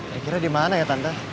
ya kira dimana ya tante